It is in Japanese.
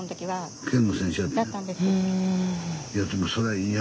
はい。